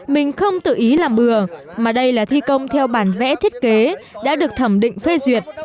mình không tự ý làm bừa mà đây là thi công theo bản vẽ thiết kế đã được thẩm định phê duyệt